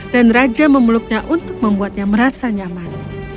dan raja memeluknya untuk membuatnya merasa nyaman